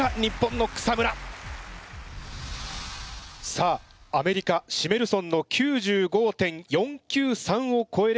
さあアメリカシメルソンの９５．４９３をこえれば優勝。